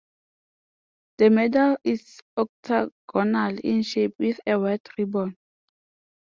The medal is octagonal in shape with a white ribbon.